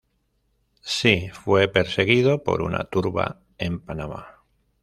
Si fue perseguido por una turba en Panamá.